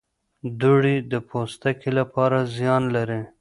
دوړې د پوستکي لپاره زیان لري.